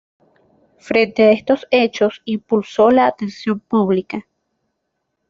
Frente a estos hechos, impulsó la atención pública.